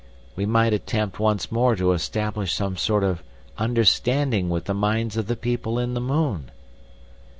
"We might attempt once more to establish some sort of understanding with the minds of the people in the moon."